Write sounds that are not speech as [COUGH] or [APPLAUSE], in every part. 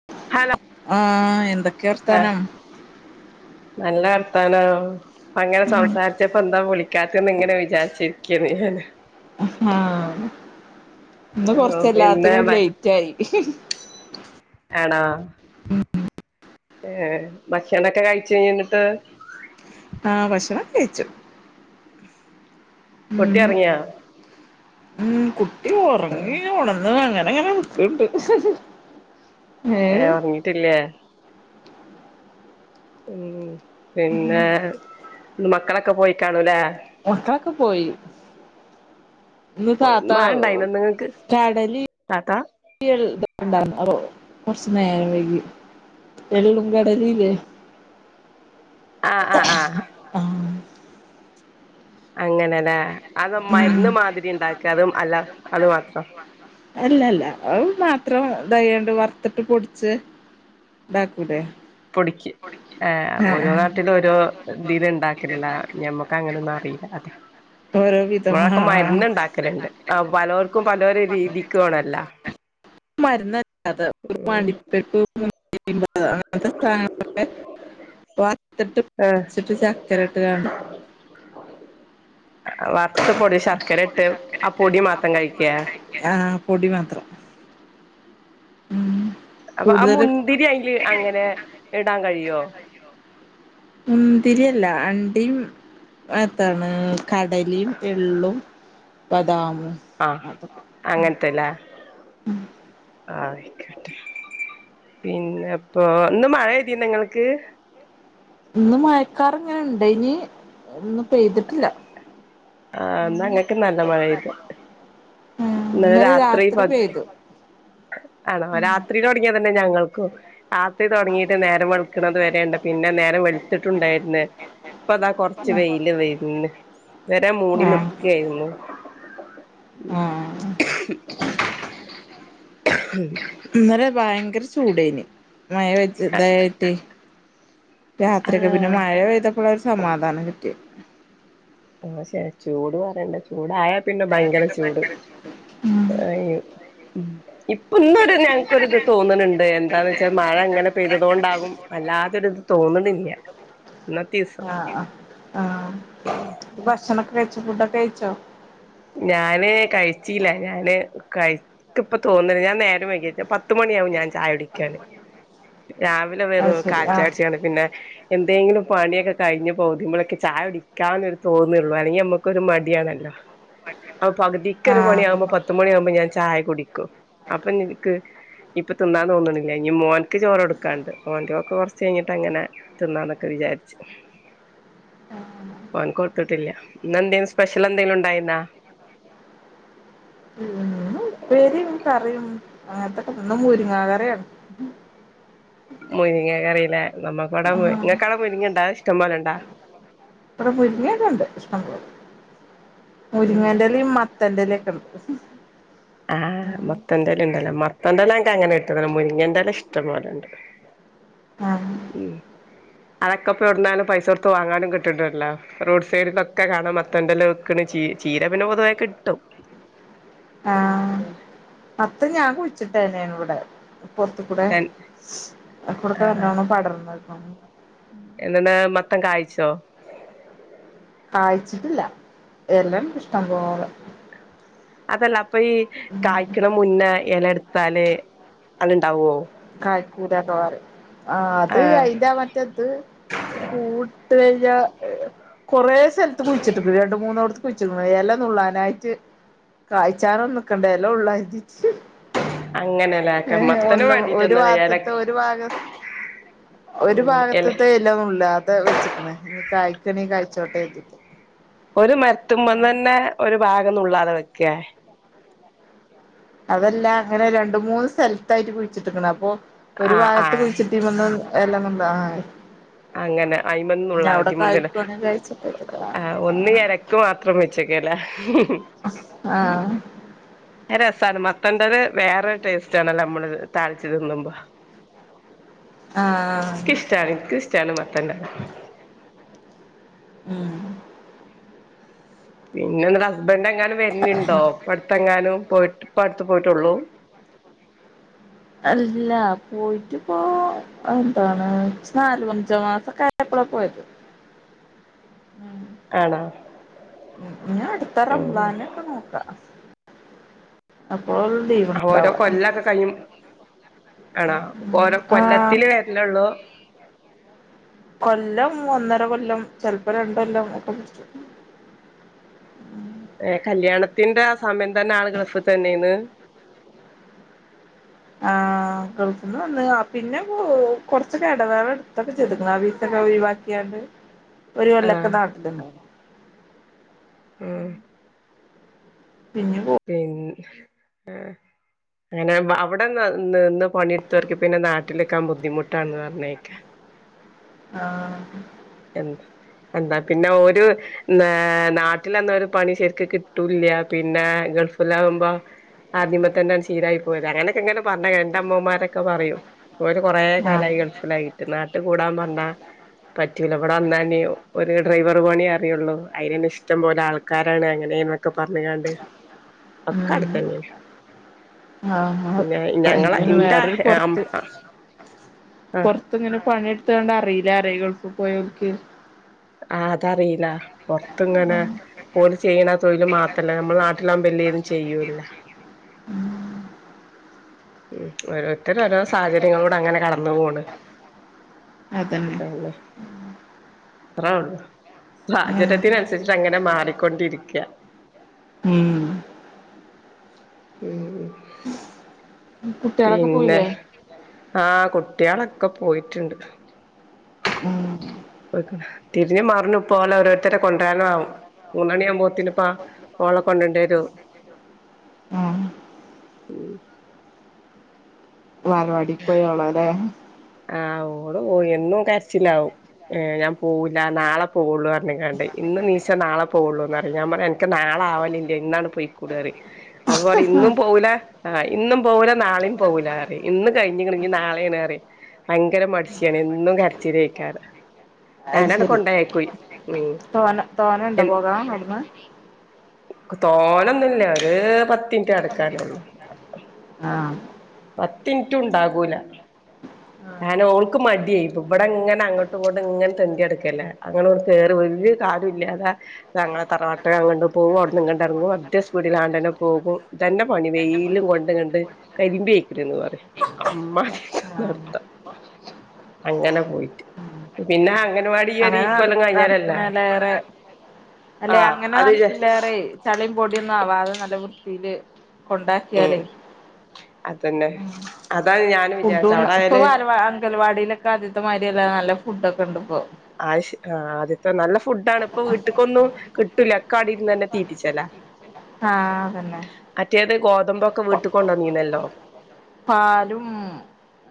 [INAUDIBLE] Hello ആഹ് എന്തൊക്കെ ആഹ് വർത്താനം നല്ല വർത്താനം അങ്ങനെ സംസാരിച്ച പ്പന്താ വിളിക്ക്യാത്തെന്ന് ഇങ്ങനെ വിചാരിച്ചിരിക്കെര്ന്നു ഞാൻ ആഹ് ഇന്ന് ഓ കൊറച്ച് പിന്നെ എല്ലാത്തിനും ഒരു ലേറ്റ് ആയി ആണാ ഏഹ് ഭക്ഷ്ണോക്കെ കഴിച്ചഴിഞ്ഞൊ ഇന്നിട്ട് ആഹ് ഭക്ഷണം ഒക്കെ കയിച്ചു ഉം കുട്ടി ഓർങ്ങിയോ ഉം കുട്ടി ആഹ് ഒർങ്ങി ഉണർന്ന് അങ്ങനെങ്ങനെ നിക്ക്ണ്ട് ഏഹ് ഒറങ്ങിട്ടില്ല്യെ ഉം പിന്നെ ഇന്ന് മക്കളൊക്കെ പോയി കാണുംലേ മക്കളൊക്കെ പോയി ഇന്ന് താത്ത മഴ ഇണ്ടായിനോ ഇന്ന് ഇങ്ങക്ക് കടലി താത്താ ണ്ട [UNINTELLIGIBLE] കൊർച് നേരം വൈകി എള്ളും കടലീലെ ആഹ് ആഹ് ആഹ് ആഹ് അങ്ങനെല്ലേ അത് ഉം മര്ന്ന് മാതിരി ഇണ്ടാക്ക അതും അല്ല അത് മാത്രം അല്ലല്ല അഹ് മാത്രം ഇതായ്യണ്ട് വർത്തിട്ട് പൊടിച്ച് ഇതാക്കുലെ പൊടിക് ഏഹ് ഓരോ നാട്ടിലും ഓരോ ഇതില് ഇണ്ടാക്ക്‌ലല്ലേ ഞമ്മക്ക് അങ്ങനെ ഒന്നും അറീല അതാ ഓരോ വിധം ഇവിടഒക്കെ ആഹ് മരുന്ന് ഇണ്ടാക്കല്ണ്ട് ആ പലോർക്കും പലോരെ രീതിക്കും ആണ് മരുന്നല്ലത് ഉം [UNINTELLIGIBLE] [UNINTELLIGIBLE] വർത്ത്ട്ട് ഏഹ് പൊട്ച്ച്ട്ട് ചക്കരട്ട്കാണ്ട് അ വർത്ത് പൊടി ശർക്കര ഇട്ട് ആ പൊടി മാത്രം കഴിക്കെ ആഹ് പൊടി മാത്രം ഉം അപ്പൊ ആ കൂടുതൽ മുന്തിരി അയില് അങ്ങനെ ഇടാൻ കഴിയോ മുന്തിരില്ല അണ്ടിയും എത്താണ് കടലിം എള്ളും ബദാമും ആഹ് അങ്ങൻത്തെല്ലേ ഉം ആയിക്കോട്ടെ പിന്നെപ്പൊ ഇന്ന് മഴയ്തീന്നാ ഇങ്ങൾക്ക് ഇന്ന് മഴക്കാറിങ്ങനെണ്ടെനി ഇന്ന് പെയ്തിട്ടില്ല ആന്നാ ഇങ്ങക്ക് നല്ല മഴപെയ്ത് ഇന്നലെ ഇന്നലെരാത്രി രാത്രി പത് പെയ്തു അണോ രാത്രിലൊടിങ്ങ്യതെന്നെ ഞങ്ങൾക്കും രാത്രി തൊടങ്ങിയിട്ട് നേരം വെള്ക്ക്‌ണത് വരെണ്ട് പിന്നെ നേരം വെൾത്ത്ട്ടുണ്ടേയിര്ന്ന് ഇപ്പതാ കൊർച്ച് വെയില് വെര്ണ് ഇത് വരെ മൂടി ആ നിക്കെയ്ര്ന്ന് ആ [UNINTELLIGIBLE] ഇന്നല ഭയങ്കര ചൂടേന് മഴ വെച്ച ഇതായിട്ടെ രാത്രി ഒക്കെ പിന്നെ ആഹ് മഴ പെയ്തപ്പളാ ഒരു സമാധാനം കിട്ട്യേത് ആ ശെ ചൂട് പറയണ്ട ചൂടായ പിന്നെ ഭയങ്കരചൂട് ഉം ഉം ഇപ്പം ഇന്നൊരു ഞങ്ങക്കൊരുത് തോന്ന്ണണ്ട് എന്താന്നെച്ചാ മഴ അങ്ങനെ പെയ്തതോണ്ടാവും വല്ലാതൊരിത് തോന്ന്ണില്യ ഇന്നത്തീസം ഭക്ഷണംക്കെ കഴിച്ചോ ഫുഡക്കെ കഴിച്ചൊ ഞാന് കഴിച്ചില്ല ഞാന് കയ് ഇക്ക്‌പ്പോ തോന്ന്ണ്ല്ല ഞാൻ നേരം വൈകിട്ടാ പത്ത് മണിയാവും ഞാൻ ചായ കുടിക്കാന് രാവിലെ അത് വെറും ശരി കാലി ആഹ് ചായുടിചാണ്ട് പിന്നെ എന്തെങ്കിലും പണിയൊക്കെ കഴിഞ്ഞ് പോകുമ്പോഴൊക്കെ ചായ കുടിക്കാനൊരു തോന്നുള്ളൂ അല്ലെങ്കി അമ്മക്കൊരു മടിയാണല്ലോ അപ്പൊ പകുതിക്കൊരു ആഹ് പണിയാമ്പോ പത്ത് മണിയാമ്പോ ഞാൻ ചായ കുടിക്കും അപ്പൊ ഇന്ക്ക് ഇപ്പൊ തിന്നാതോന്നണില്ല ഇനി മോൻക്ക് ചോറോടുക്കാണ്ട്. മോന്റോക്കോ കൊർ ചെയ്യ്ഞ്ഞിട്ട്ങ്ങനെ തിന്നാന്നൊക്കെ വിചാരിച്ച്. മോൻക്ക്‌ കൊട്ത്തിട്ടില്ല ഇന്നന്തേ സ്പെഷ്യൽ എന്തെലും ഉണ്ടായിരുന്നാ? ഇന്ന് ഉപ്പേരിയും കറിയും അങ്ങനത്തൊക്കെ ഇന്ന് മുരിങ്ങ കറിയാണ്. മുരിങ്ങക്കറില്ലേ നമ്മക്കവിടെ മുരി ആഹ് ങ്ങക്കവിടെ മുരിങ്ങണ്ടാ ഇഷ്ടം പോലെണ്ടാ? ഇവിടെ മുരിങ്ങൊക്കെണ്ട് ഇഷ്ടംപോലെ ഉം മുരിങ്ങേന്റെലയും മത്തൻന്റെലെക്കെണ്ട്. ആഹ് മത്തന്റലണ്ടല്ലോ മത്തംന്തലല്ല എനക്ക് അങ്ങനെ ഇട്ട മുരിങ്ങൻതല ഇഷ്ടപോലെണ്ട്. [INAUDIBLE] ആഹ് ഉം അതൊക്കെപ്പടുന്നാലും പൈസ കൊടുത്ത് വാങ്ങാനും കിട്ട്ണ്ടല്ലോ. റോഡ് സൈഡിലൊക്കെ കാണാം മത്തണ്ടല വെക്കണ് ചീ, ചീര പിന്നെ പൊതുവെ കിട്ടും. ആ [INAUDIBLE] മത്തൻ ഞാൻ കുയിച്ചിട്ടേനെണ് ഇവിടെ. പൊറത്ത്കൂടെ തൻ അകൂടെക്കെ നല്ലോണം പടർന്നക്ക എന്നണ് മത്തൻ കായ്ചോ? കായിച്ചിട്ടില്ല. എലെണ്ട് ഇഷ്ടം പോലെ. അതല്ല അപ്പൊ ഈ ഉം കായ്ക്കണ മുന്നേ എല എടുത്താല് അത്‌ണ്ടാവോ? കായ്ക്കൂരക്കെ പറി ആ അത് ആഹ് അയിന്റെ മറ്റെത് കൂട്ട്കഴിഞ്ഞാ കൊറെ സ്ഥലത്ത് കുഴിച്ചിട്ടുണ്ട് രണ്ട് മൂന്നോട കുയ്ച്ചുക്കണ് എല നുള്ളാനായിട്ട് കായ്ചാനോന്ന്ക്കണ്ടെ എല നുള്ളനായിട്ട്. അങ്ങനെല്ലക്കെ മത്തന് വേണ്ടി ഒരു ബാത്ത്തെ ഒരു ഭാഗം ഒരു ഉം എല ഭാഗത്ത്തെ എലനുള്ളാതെ വെച്ച്ക്ക്‌ണ് ഇനി കായ്ക്കണീ കായിച്ചോട്ടെച്ചിട്ട്. ഒരു മരത്തുമന്നന്നെ ഒരു ഭാഗംനുള്ളാതെ വക്കേ? അതല്ല അങ്ങനെ രണ്ട് മൂന്ന് സ്ഥലത്തായിട്ട് കുഴിച്ചിട്ടിക്കണ് അപ്പൊ ഒരു ആഹ് ഭാഗത്ത് ആഹ് കുഴിച്ചിട്ടീമന്ന് എല്ലാം നുള്ള അങ്ങനെ അയ്മന്നുള്ള അതിമന്ന്ള്ള കായ്ക്കാണെ കായ്ച്ചോട്ടെ കര്തീട്ട് ആ ഒന്ന് ആഹ് ക്ക് മാത്രം വെച്ചേക്കലെ ആഹ്. രസണ് മത്തന്റത് വേറരു ടേസ്റ്റ് ആണല്ലോ നമ്മള് താളിച്ച് തിന്നുമ്പോ. ആ, ആ. റ്റാണ് എനിക്കുംഇഷ്ടാണ് മത്തന്റത്. ഉം. പിന്നെ ന്ന്ട ഹസ്ബന്റ് എങ്ങാനും വരണ്ണ്ടോ ഇപ്പടുത്ത എങ്ങാനും പോയിട്ട് ഇപ്പ അടുത്ത് പോയിട്ടെ ഉള്ളു. അല്ല പോയിട്ടിപ്പോ എന്താണ് നാലു അഞ്ചോ മാസക്കെ ആയപ്പള പോയത്. ഉം. ആണോ? ഇനി അടുത്ത ഉം റംളനൊക്ക നോക്കാ. അപ്പോൾ ഓരോ കൊല്ലൊക്കെ കഴിഞ് ആണോ ഓരോ ആഹ് കൊല്ലത്തില് വേരലെള്ളൂ? കൊല്ലം ഒന്നര കൊല്ലം ചെൽപ്പോ രണ്ടൊല്ലം ഒക്കെ പുട്ച്ചും. ഏ കല്യാണത്തിന്റെ സമയം തന്നെ ആളു ഗൾഫ് തന്നെന്ന്? ആ ഗൾഫ്ന്ന് വന്നയ പിന്നെ കുറച്ചൊക്കെ എടവേള എടുത്തൊക്കെ ചെയ്ത്ക്കണ് ആ വീസൊക്കെ ഒഴിവാക്കിയാണ്ട്. ഒരു കൊല്ലക്ക ആഹ് നാട്ടില്ന്നെനു. മ്. പിന്നെ പോ പിൻ ആ. അങ്ങനെ അവിടെന്ന് നിന്ന് പണിയെടുത്തവർക്ക് പിന്നെ നാട്ടിലിക്കാൻ ബുദ്ധിമുട്ടാണന്ന് പറഞ്ഞേക്കാ. ആഹ് എന്താ എന്താ പിന്നെ ഓര് ന്നാ നാട്ടിലന്നാ ഒരു പണി ശര്ക്ക് കിട്ടൂല്ല. പിന്നെ ഗൾഫിലാവ്മ്പം ആദ്യമേ തന്നാണ് ശീലായി പോയത് അങ്ങനൊക്കെ എങ്ങനെ പർഞ്ഞ രണ്ട അമ്മോമാരൊക്കെ പറയും. ഒരു കൊറെ ആഹ് കാലായി ഗൾഫിലായിട്ട് നാട്ട് കൂടാൻ പർഞ്ഞാ പറ്റൂല. ഇവിടെ വന്നാ ഞ് ഒര് ഡ്രൈവർ പണി അറിയുള്ളൂ. അയ്നെന്നെ ഇഷ്ടം പോലെ ആൾക്കാരാണ് അങ്ങനെ ന്നൊക്കെ ഒക്കെ പർഞ്ഞ് കാണ്ട് ഒക്ക ഉം അടത്തന്നെ ആഹ് ഞങ്ങളെ അയ്ന് ഇന്റെ വേറൊരു പൊറത്ത് അ പ്പങ്ങനെ പണി ഇട്ത്ത്ക്കാണ്ട് അറീല്ലാറ്യേ ഈ ഗൾഫ് പോയോൽക്ക്. ആ അത അറീല്ല. പൊർത്ത് ഇങ്ങനെ ഓല് ചെയ്യണ തൊഴിൽ മാത്രല്ല. നമ്മള നാട്ടിലാവ്മ്പം എല്ലേതും ചെയ്യൂല്ല. ഉം ഓരോരുത്തരോരോ സാഹചര്യങ്ങളൂ ടെ അങ്ങനെ കടന്നു പോണ്. എത്ത അതന്നെ പിന്നെ അത്രേ ഒള്ളൂ സാഹചര്യത്തിനൻസരിച്ച് അങ്ങനെ മാറിക്കൊണ്ടിരിക്ക ഉം ഉം കുട്ടികളൊക്കെ പിന്നെ പോയില്ലേ ആ കുട്ട്യാളൊക്കെ പോയിട്ട്ണ്ട്. തിര്ഞ്ഞും മർഞ്ഞും പ്പൊ ഓലെ ഓരോരുത്തരെ കൊണ്ട്രാനാകും. മൂന്നണിയാമ്പോത്തിനിപ്പാ മോളെ കൊണ്ടണ്ടേരു ആഹ് ഉം വാലവാടിക്ക് പോയോള്ള ല്ലേ ആഹ് ഓള് പോയി എന്നും കര്ച്ചിലാവും. ഏഹ് ഞാൻ പോവുല്ല. നാളെ പോവുള്ളു അർഞ്ഞ്‌ കാണ്ടെ ഇന്ന് നീശ നാളെ പോകുള്ളൂന്നറിം ഞാൻ പറ ൻക്ക് നാള ആവലില്ലേ ഇന്നാണ് പൊയ് കൂടറിം [INAUDIBLE] അപ്പൊ പറിം ഇന്നും പോവുല ആഹ് ഇന്നും പോവുല നാളിം പോകൂല അറിം. ഇന്ന് കഴിഞ്ഞ്‌ക്ക്ണ് ഞ്ഞ്‌ നാളേണ് അറിം. ഭയങ്കര മട്ശിയാണ്. എന്നും കര്ച്ചിലെയിക്കാരം അത് ഞാനാണ്ട് ശരി കൊണ്ടായക്കോ ഉം തോന ചെ തോനെണ്ടോ പോകാൻ അവിടുന്ന് തോന്നൊന്നുല്ല ഒര് പത്തിൻറ്റ് നടക്കാനള്ളൂ. ആഹ് പത്തിൻറ്റും ണ്ടാകൂല. കാര്ണ ഓൾക്ക് മടിയായിപ്പം ഇവടെ ങ്ങനെ അങ്ങട്ടും ഇങ്ങട്ടും ഇങ്ങനെ തെണ്ടി അട്ക്കല്ലേ [UNINTELLIGIBLE] കാടുല്ലാതാ ഞങ്ങളെ തറവാട്ട് അങ്ങണ്ട് പോകും. അവ്ടുന്ന് ഇങ്ങണ്ട എർങ്ങും ഒറ്റ സ്പീഡിലാണ്ടന്നെ പോകും. ഇതന്നെ പണി വെയിലും കൊണ്ട് കണ്ട് കരിമ്പി ആയ്ക്ക്ണ് ന്ന് പറിം അമ്മാ ആഹ് അങ്ങനെ പോയിട്ട് പിന്നെ അംഗൻവാടി ഈ ഒരു അങ്ങനെ നട് ഇക്കൊല്ലം കഴിഞ്ഞാലല്ലേ നട്ക്ക്ണേലേറെ അല്ലെ ആഹ് അങ്ങനെ അത് നട്ക്ക്ല്ലേറെ ചളിം പൊടിയൊന്നും ആവാതെ നല്ല വൃത്തിയില് ഉം കൊണ്ടാക്കിയാലേ അതന്നെ അതാണ് ഞാൻ വിചാരിച്ച ഫുഡുന്ന് അവിടെ ഇപ്പൊ ആയാല് വാലവാ അങ്കൽവാടിയിലൊക്കെ ആദ്യത്തെ മാര്യല്ല. നല്ല ഫുഡ് ഒക്കെ ഇണ്ട് ഇപ്പൊ ആശ് ആഹ് അദ്യത്തെ നല്ല ഫുഡാണ്. ഇപ്പൊ വീട്ട്ക്കൊന്നും കിട്ടൂല അക്കാട് ഇര്ന്നന്നെ തീറ്റിച്ചലാ ആഹ് തന്നെ അറ്റേത് ഗോതമ്പൊക്കെ വീട്ട് കൊണ്ടന്നീന്നല്ലോ പാലും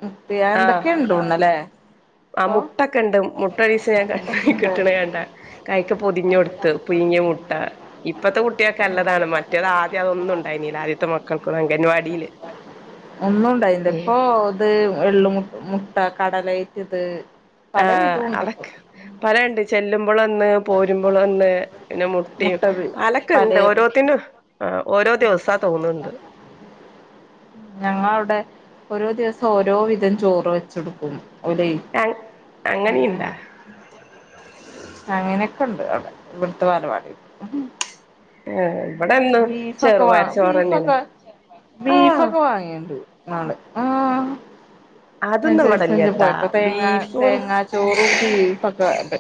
മുപ്പെ എന്തൊക്കെ ഇണ്ടോണല്ലേ ആഹ് മുട്ടക്കണ്ട്. മുട്ടരീസം ഞാൻ കണ്ട കിട്ടണ കണ്ട. കൈക്ക് പൊതിഞ്ഞൊട്ത്ത് പുയ്ങ്ങിയ മുട്ട ഇപ്പത്തെ കുട്ട്യേക്ക് നല്ലതാണ്. മറ്റേത് ആദ്യം അതൊന്നും ഉണ്ടായിന്നീല്ല. ആദ്യത്തെ മക്കൾക്കൊ അംഗൻവാടീല് ഒന്നുംണ്ടായില്ല. ഇപ്പൊ ഇത് എള്ളു മു മുട്ട കടലയ്റ്റ് ത് ആഹ് അതൊക്കെ പലണ്ട് ചെല്ലുമ്പൊ ളൊന്ന് പോരുമ്പളൊന്ന് പിന്നെ മുട്ടിയും മുട്ട പലൊക്കെ ഉണ്ട്. പലേത് ഓരോത്തിനും ആ ഓരോ ദിവസ തോന്നുന്നുണ്ട്. ഞങ്ങ അവടെ ഓരോ ദിവസം ഓരോ വിധം ചോറ് വചൊടുക്കും. [UNINTELLIGIBLE] അങ് അങ്ങനേ ഇണ്ടാ? അങ്ങനെയൊക്കെണ്ട് അവിടെ. ഇവിടുത്തെ വാലവാടീല്. ഏഹ് ഇവിടെ അങ്ങ ബീഫ്ഒക്കെ വാ ബീഫ്ഒക്കെ, ആഹ് ബീഫൊക്കെ വാങ്ങിയണ്ട് ന്നാള് ആഹ്. അതൊന്നും ഇവിടെ അനുസരിച് അയിന്റെ ഇല്ല്യട്ടാ പോയപ്പൊ. തേങ്ങ ബീഫും തേങ്ങ ചോറും ബീഫ് ഒക്ക ഇണ്ട്.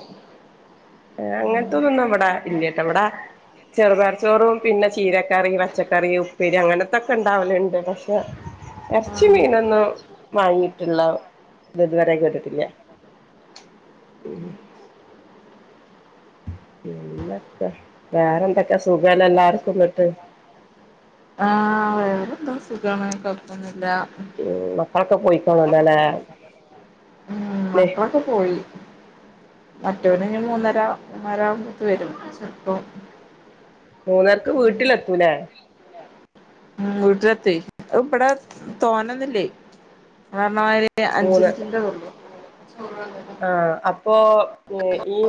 ഏ അങ്ങനത്തതൊന്നും ഇവ്ടെ ഇല്ല്യാട്ട. ഇവിടെ ചെറുപയർ ചോറും, പിന്നെ ചീരക്കറി, പച്ചക്കറി ഉപ്പേരി അങ്ങനത്തൊക്കെ ഇണ്ടാവലുണ്ട്. പക്ഷെ, ഇറച്ചി മീനൊന്നും വാങ്ങിട്ടുള്ള ഇത് ഇതുവരെ കേട്ടിട്ടില്ല. [INAUDIBLE] പിന്നൊക്കെ, വേറെന്തൊക്കെ സുഖാണ എല്ലാർക്കുംന്ന്ട്ട്. ആഹ് വേറെന്താ, സുഖാണ്. കുഴപ്പോന്നൂല്ല. ഉം മക്കളൊക്കെ പോയികാണുലോല്ലേ? ഉം മക്കളൊക്കെ പോയി. മറ്റോലിഞ്ഞി മൂന്നര മൂന്നര ആവുമ്പേക്ക്‌ വരും. ചെലപ്പൊ, മൂന്നരക്ക് വീട്ടിലെത്തൂലേ. ഉം വീട്ടിലത്തെയ്. അത് ഇവിടെ തോനന്നൂല്ലേ ഇങ്ങള് പറഞ്ഞ മാരി. [UNINTELLIGIBLE] അഞ്ച് മൂന്ന് മിനിറ്റ്ന്റ തൊള്ളൂ [UNINTELLIGIBLE] ആഹ് അപ്പൊ ഏഹ് ഈ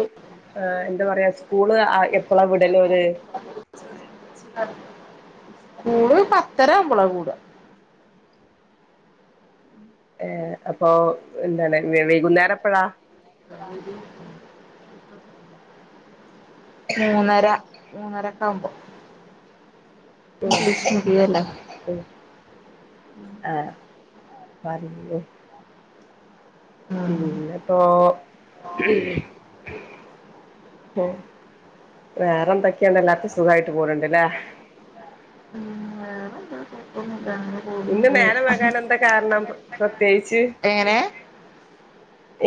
ആഹ് എന്താ പറയാ. സ്കൂള് ആഹ് എപ്പളാ വിടലവര്? സ്കൂള് പത്തരാവുമ്പോളാ കൂട. ഏഹ് അപ്പൊ എന്താണ്, വൈകുന്നേരം എപ്പഴാ? [INAUDIBLE] മൂന്നര, മൂന്നരക്കാവുമ്പോ. ഉം. ഉം ആഹ് [UNINTELLIGIBLE] ആഹ് പിന്നെപ്പോ, പ്പൊ വേറെന്തൊക്കെയണ്ട് എല്ലാർക്കും സുഖായിട്ട് പോണ് ണ്ട്ല്ലേ. ഉം വേറെന്താ കുഴപ്പന്നൂല്ല. അങ്ങനെ പോ ഇന്ന് നേരം വഴ്കാനെന്താ കാരണം, പ്രത്യേകിച്ച്? എങ്ങനെ?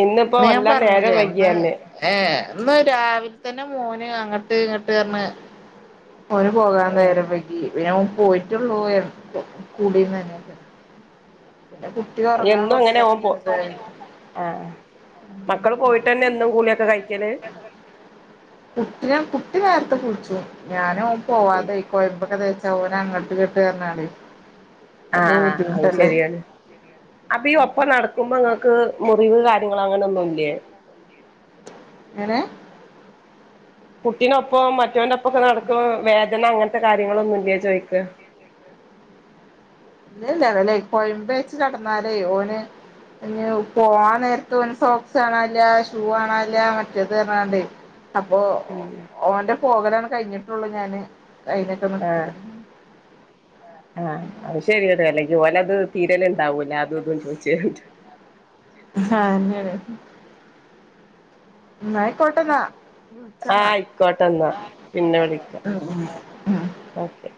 ഇന്നിപ്പോ ഇന്ന് ഞാൻ വല്ലാ നേരം പറഞ്ഞില്ലേ, ഇന്ന് വൈകിയന്നെ ഏഹ് ഇന്ന് രാവിലെ തന്നെ മോന് അങ്ങട്ട് ഇങ്ങട്ട്റഞ്ഞ് ഓന് പോകാൻ ആഹ് നേരം വൈകി. പിന്നെ ഓൻ പോയിട്ടുള്ളൂ. [UNINTELLIGIBLE] പിന്നെ കുട്ടി ഉറങ്ങാൻ എന്നും അങ്ങനെ ഓൻ പോ കുറച്ചേരങ്ങനെതായി. ആഹ് ആഹ് മക്കള് പോയിട്ടല്ലേ എന്നും കൂളിയൊക്കെ കഴിക്കല്? [UNINTELLIGIBLE] കുട്ടി നേരത്തെ കുളിച്ചു. ഞാൻ ഓൻ പോവാതെ, കൊയമ്പൊക്കെ തേച്ച് ഓന അങ്ങട്ട് ങ്ങട്ട് റഞ്ഞാണ്ടേ. ആഹ് ആഹ്. അത് ശരിയാണ്. അപ്പ ഈ ഒപ്പം നടക്കുമ്പോങ്ങൾക്ക് മുറിവ് കാര്യങ്ങള് അങ്ങനൊന്നുംല്ലേ? എങ്ങനെ? കുട്ടിനൊപ്പം മറ്റോന്റൊപ്പം ഒക്കെ നടക്കണ്, വേദന അങ്ങനത്തെ കാര്യങ്ങളൊന്നുംല്ലേ, ചോയിക്കാ. ഇല്ലല്ല. അവനെ കൊയമ്പേച്ച് കെടന്നാലേ ഓന്, പിന്നെ പോവാൻ നേരത്ത് ഓന് സോക്സ് കാണാന്ല്ല. ഷൂ കാണാ നില്ല. മറ്റേത് പറഞ്ഞാണ്ടേ, അപ്പോ ഉം. ഓന്റെ പോകലാണ് കഴിഞ്ഞിട്ടുള്ളൂ ഞാന്, അയിനൊക്കെ ആഹ് നിക്കല്. ആഹ് അത് ശരിയാണ് അല്ലെങ്കി ഓലത് തീരല്ണ്ടാവൂല അതുതും ചോയിച്ച്ങ്ങാട്ട് ആഹ് അയന്നേണ് ന്നാ അയിക്കോട്ടെ ന്നാ വെച്ചോ ആഹ് ന്നാ ആയിക്കോട്ടെ എന്നാ പിന്നെ വിളിക്കാം ഉം ഉം ഓക്കെ